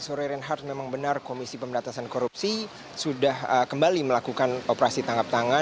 ya selama sore renhard memang benar komisi pemberantasan korupsi sudah kembali melakukan operasi tanggal